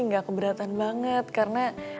enggak keberatan banget karena